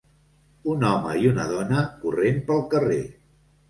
Un home i una dona corrent pel carrer.